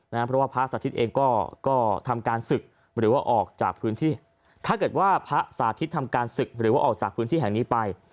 เพราะว่าพระสาธิตเองก็ทำการศึกหรือว่าออกจากพื้นที่ถ้าเกิดว่าพระสาธิตทำการศึกหรือว่าออกจากพื้นที่แห่งนี้ไป